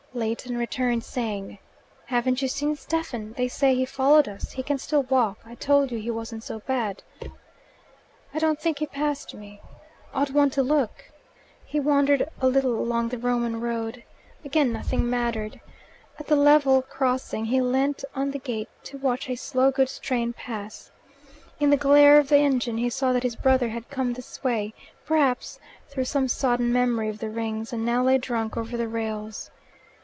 Leighton returned, saying, "Haven't you seen Stephen? They say he followed us: he can still walk: I told you he wasn't so bad." "I don't think he passed me. Ought one to look?" He wandered a little along the Roman road. Again nothing mattered. At the level crossing he leant on the gate to watch a slow goods train pass. In the glare of the engine he saw that his brother had come this way, perhaps through some sodden memory of the Rings, and now lay drunk over the rails.